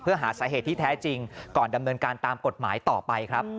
เพื่อหาสาเหตุที่แท้จริงก่อนดำเนินการตามกฎหมายต่อไปครับ